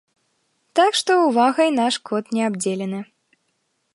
Так што увагай наш кот не абдзелены.